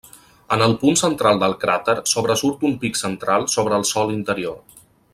En el punt central del cràter sobresurt un pic central sobre el sòl interior.